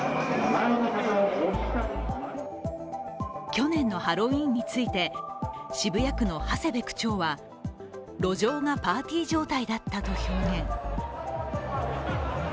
去年のハロウィーンについて渋谷区の長谷部区長は、路上がパーティー状態だったと表現。